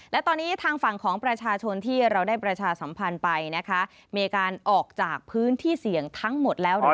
และตอนนี้ทางฝั่งของประชาชนที่เราได้ประชาสัมพันธ์ไปนะคะมีการออกจากพื้นที่เสี่ยงทั้งหมดแล้ว